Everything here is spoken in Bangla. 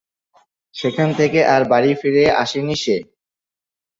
সেখান থেকে আর বাড়ি ফিরে আসেনি সে।